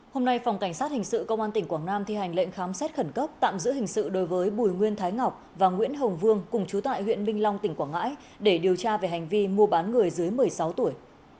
hôm nay phòng cảnh sát hình sự công an tỉnh quảng nam thi hành lệnh khám xét khẩn cấp tạm giữ hình sự đối với bùi nguyên thái ngọc và nguyễn hồng vương cùng chú tại huyện minh long tỉnh quảng ngãi để điều tra về hành vi mua bán người dưới một mươi sáu tuổi